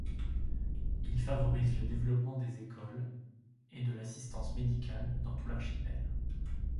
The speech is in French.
Il favorise le développement des écoles et de l'assistance médicale, dans tout l’archipel.